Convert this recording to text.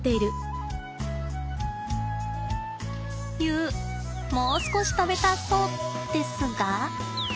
ユウもう少し食べたそうですが。